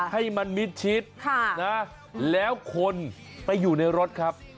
ให้มันมิดชิดแล้วคนไปอยู่ในรถครับ